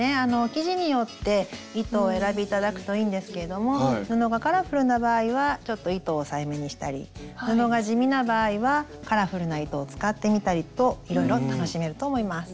生地によって糸を選び頂くといいんですけれども布がカラフルな場合はちょっと糸を抑えめにしたり布が地味な場合はカラフルな糸を使ってみたりといろいろ楽しめると思います。